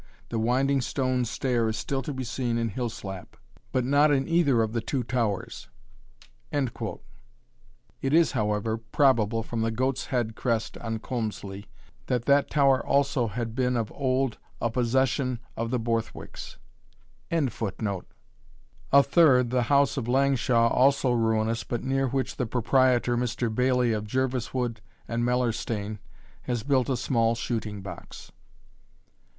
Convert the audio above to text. The winding stone stair is still to be seen in Hillslap, but not in either of the other two towers" It is however, probable, from the Goat's Head crest on Colmslie, that that tower also had been of old a possession of the Borthwicks.] a third, the house of Langshaw, also ruinous, but near which the proprietor, Mr. Baillie of Jerviswood and Mellerstain, has built a small shooting box.